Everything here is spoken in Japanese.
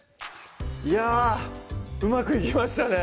いやぁうまくいきましたね